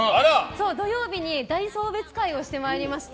土曜日に大送別会をしてまいりまして。